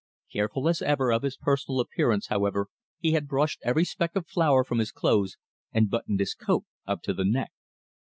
Careful as ever of his personal appearance, however, he had brushed every speck of flour from his clothes, and buttoned his coat up to the neck.